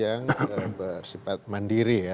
yang bersifat mandiri ya